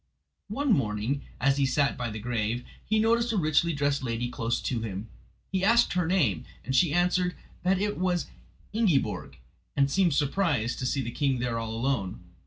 One morning, as he sat by the grave, he noticed a richly dressed lady close to him. He asked her name and she answered that it was Ingiborg, and seemed surprised to see the king there all alone.